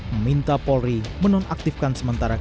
meminta polri menonaktifkan sementara